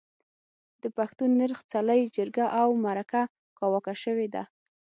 د پښتون نرخ، څلی، جرګه او مرکه کاواکه شوې ده.